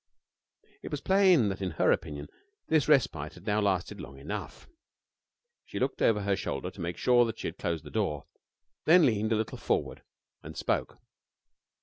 It was plain that in her opinion this respite had now lasted long enough. She looked over her shoulder to make sure that she had closed the door, then leaned a little forward and spoke.